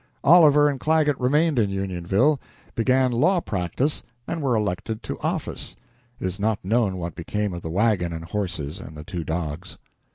Oliver and Clagget remained in Unionville, began law practice, and were elected to office. It is not known what became of the wagon and horses and the two dogs.